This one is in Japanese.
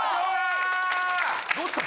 どうした？